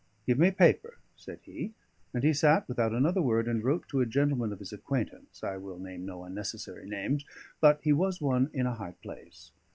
"Give me paper," said he. And he sat without another word and wrote to a gentleman of his acquaintance I will name no unnecessary names, but he was one in a high place.